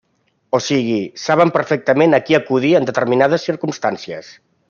O sigui, saben perfectament a qui acudir en determinades circumstàncies.